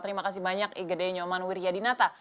terima kasih banyak igede nyoman wiryadinata